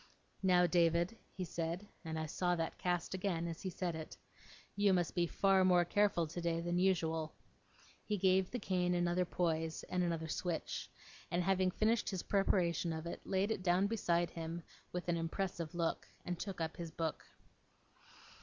'Now, David,' he said and I saw that cast again as he said it 'you must be far more careful today than usual.' He gave the cane another poise, and another switch; and having finished his preparation of it, laid it down beside him, with an impressive look, and took up his book.